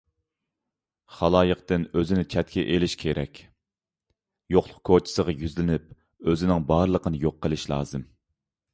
خالايىقتىن ئۆزىنى چەتكە ئېلىش كېرەك، يوقلۇق كوچىسىغا يۈزلىنىپ، ئۆزىنىڭ بارلىقىنى يوق قىلىش لازىم.